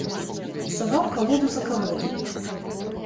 Псаваў калоду за калодай.